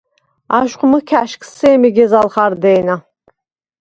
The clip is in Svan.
აშხვ მჷქა̈შგს სემი გეზალ ხარდე̄ნა.